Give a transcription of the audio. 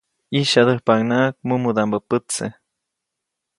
ʼYisyadäjpaʼuŋnaʼak mumudaʼmbä pätse.